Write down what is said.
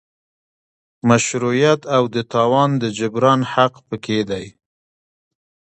مشروعیت او د تاوان د جبران حق پکې دی.